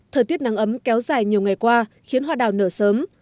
thời tiết nắng ấm kéo dài nhiều ngày qua khiến hoa đào nở sớm